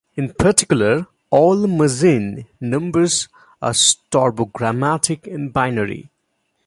In particular, all Mersenne numbers are strobogrammatic in binary.